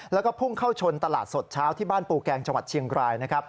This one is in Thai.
แล้วก็พุ่งเข้าชนตลาดสดเช้าที่บ้านปูแกงจังหวัดเชียงรายนะครับ